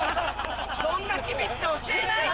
そんな厳しさ教えないで！